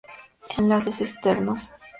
Enlaces externos